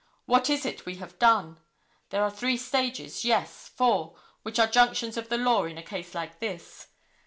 What is it we have done? There are three stages, yes, four, which are junctions of the law in a case like this.